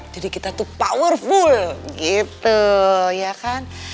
jadi kita tuh powerful gitu ya kan